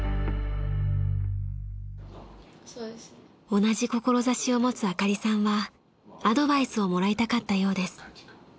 ［同じ志を持つあかりさんはアドバイスをもらいたかったようです］